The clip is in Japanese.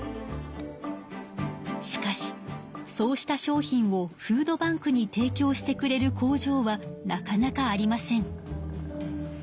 しかしそうした商品をフードバンクに提きょうしてくれる工場はなかなかありません。